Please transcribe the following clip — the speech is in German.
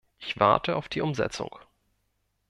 Ich warte auf die Umsetzung.